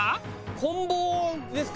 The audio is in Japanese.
こん棒ですかね？